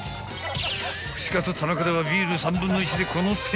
［串カツ田中ではビール３分の１でこのテンションでい］